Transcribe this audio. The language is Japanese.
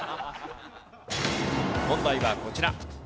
問題はこちら。